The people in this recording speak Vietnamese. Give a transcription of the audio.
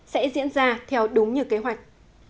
sẽ diễn ra theo đúng như kế hoạch